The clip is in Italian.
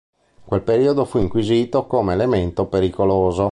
In quel periodo fu inquisito come elemento pericoloso.